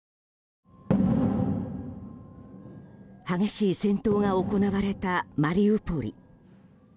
激しい戦闘が行われたマリウポリ。